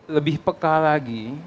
lebih peka lagi